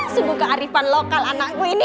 semoga arifan lokal anakku ini